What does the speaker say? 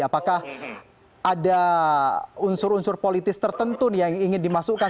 apakah ada unsur unsur politis tertentu yang ingin dimasukkan